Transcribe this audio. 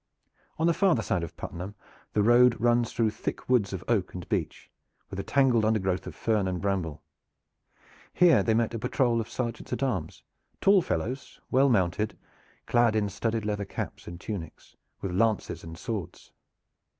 On the farther side of Puttenham the road runs through thick woods of oak and beech, with a tangled undergrowth of fern and bramble. Here they met a patrol of sergeants at arms, tall fellows, well mounted, clad in studded leather caps and tunics, with lances and swords.